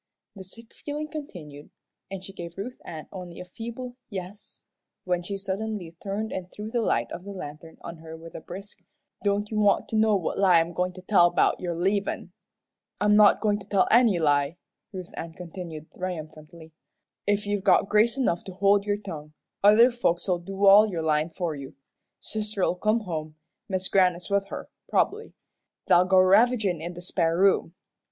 The sick feeling continued, and she gave Ruth Ann only a feeble "yes," when she suddenly turned and threw the light of the lantern on her with a brisk, "Don't you want to know what lie I'm goin' to tell 'bout your leavin'? "I'm not goin' to tell any lie," Ruth Ann continued, triumphantly. "If you've got grace enough to hold your tongue, other folks'll do all your lyin' for you. Sister'll come home, Mis' Grannis with her, prob'bly. They'll go ravagin' in the spare room.